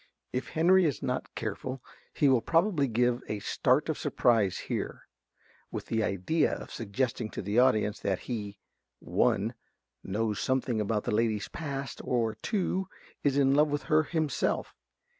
(If Henry is not careful he will probably give a start of surprise here, with the idea of suggesting to the audience that he (1) knows something about the lady's past, or (2) _is in love with her himself.